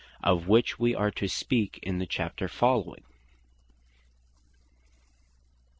Of which we are to speak in the Chapter following.